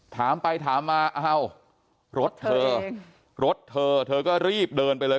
ถามไปถามมาอ้าวรถเธอรถเธอเธอก็รีบเดินไปเลย